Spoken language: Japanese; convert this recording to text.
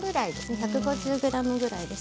１５０ｇくらいです。